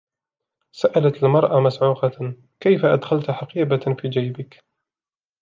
سألت المرأة مصعوقةً: " كيف أدخلت حقيبةً في جيبك ؟!".